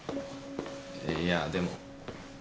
いやでも。